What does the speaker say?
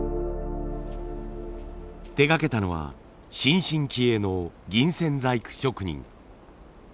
手がけたのは新進気鋭の銀線細工職人。